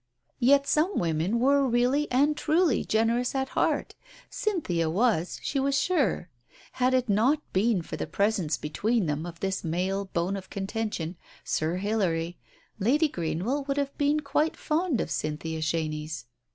Yet some women were really and truly generous at heart — Cynthia was, she was sure. Had it not been for the presence between them of this male bone of conten tion, Sir Hilary, Lady Greenwell would have been quite fond of Cynthia Chenies.